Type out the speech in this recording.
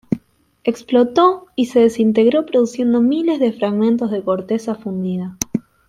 Explotó y se desintegró produciendo miles de fragmentos de corteza fundida.